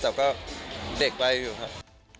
แต่ก็เด็กวัยอยู่ครับ